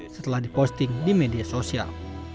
setelah diposting di media sosial